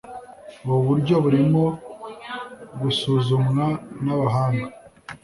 Ubu buryo burimo gusuzumwa nabahanga.